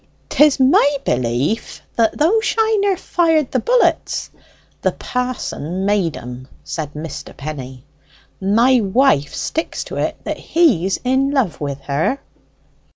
"'Tis my belief that though Shiner fired the bullets, the parson made 'em," said Mr. Penny. "My wife sticks to it that he's in love wi' her."